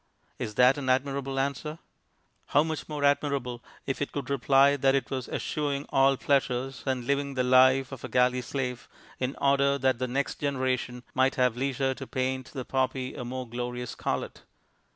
Is that an admirable answer? How much more admirable if it could reply that it was eschewing all pleasure and living the life of a galley slave in order that the next generation might have leisure to paint the poppy a more glorious scarlet.